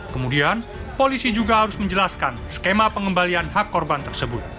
kemudian polisi juga harus menjelaskan skema pengembalian hak korban tersebut